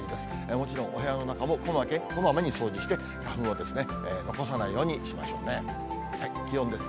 もちろんお部屋の中もこまめに掃除して、花粉を残さないようにしましょうね。